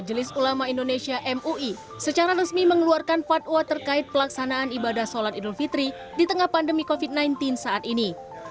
majelis ulama indonesia mui secara resmi mengeluarkan fatwa terkait pelaksanaan ibadah sholat idul fitri di tengah pandemi covid sembilan belas saat ini